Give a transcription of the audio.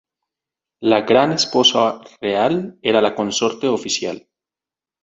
La gran esposa real era la consorte oficial.